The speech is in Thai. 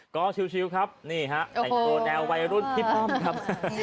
ก็ชิลล์ครับนี่ฮะตัวแดววัยรุ่นที่ป้อมครับ